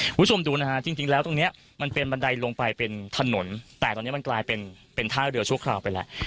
คุณผู้ชมดูนะฮะจริงแล้วตรงเนี้ยมันเป็นบันไดลงไปเป็นถนนแต่ตอนนี้มันกลายเป็นเป็นท่าเรือชั่วคราวไปแล้ว